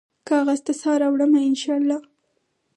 کاغذ ته سا راوړمه ، ان شا الله